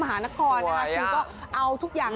มหานครคือก็เอาทุกอย่าง